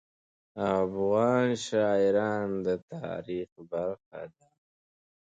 افغان شاعران د تاریخ برخه دي.